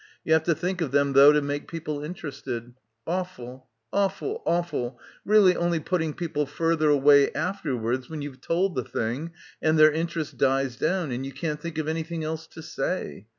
You have to think of them though to make people interested — awful, awful, awful, really only putting people further away afterwards when you've told the thing and their interest dies down and you can't think of anything else to say.